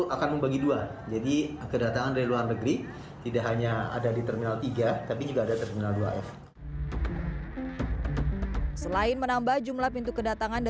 akan membagi dua jadi kedatangan dari luar negeri tidak hanya ada di terminal tiga tapi juga ada terminal dua f